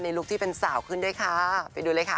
ลุคที่เป็นสาวขึ้นด้วยค่ะไปดูเลยค่ะ